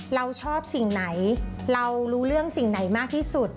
เราชอบสิ่งไหนเรารู้เรื่องสิ่งไหนมากที่สุด